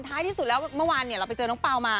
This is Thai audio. ท้ายที่สุดแล้วเมื่อวานเราไปเจอน้องเปล่ามา